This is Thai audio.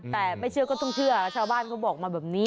แต่ไม่เชื่อก็ต้องเชื่อชาวบ้านเขาบอกมาแบบนี้